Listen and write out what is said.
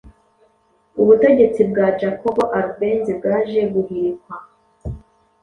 ubutegersi bwa jacobo arbenz bwaje guhirikwa